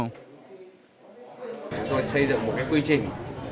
chúng tôi xây dựng một quy trình